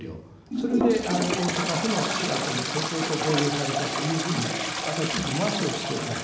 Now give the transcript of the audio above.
それで大阪府の私学の高校と合意をされたというふうに私どもは承知をしております。